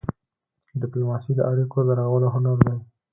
ډيپلوماسي د اړیکو د رغولو هنر دی.